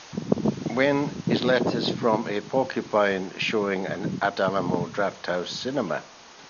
when is Letters from a Porcupine showing at Alamo Drafthouse Cinema